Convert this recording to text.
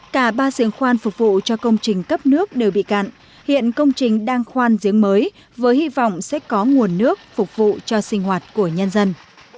cả ba diễn khoan phục vụ cho công trình cấp nước đều bị cạn hiện công trình đang khoan giếng mới với hy vọng sẽ có nguồn nước phục vụ cho sinh hoạt của nhân dân